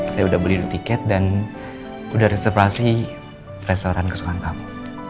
saya udah beli tiket dan udah reservasi restoran kesukaan kamu